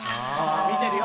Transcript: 「見てるよ」。